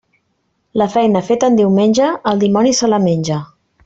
La feina feta en diumenge, el dimoni se la menja.